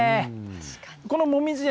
このもみじ苑